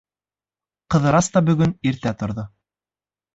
Ҡыҙырас та бөгөн иртә торҙо.